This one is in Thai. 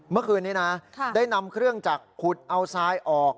เมื่อคืนนี้นะได้นำเครื่องจักรขุดเอาทรายออก